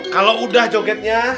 kalau udah jogetnya